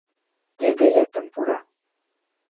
Тӱгӧ лектын пура.